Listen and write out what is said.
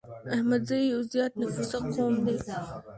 احمدزي يو زيات نفوسه قوم دی